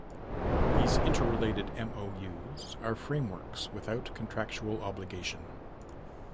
These interrelated MoUs are frameworks without contractual obligation.